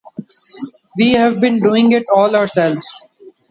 We have been doing it all ourselves.